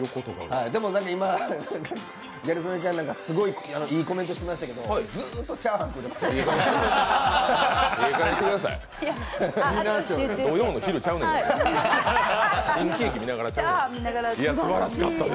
今、ギャル曽根ちゃんなんかすごいいいコメントしてましたけどずーっとチャーハン食ってました。